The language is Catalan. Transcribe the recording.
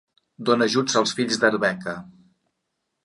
Dóna ajuts als fills d'Arbeca.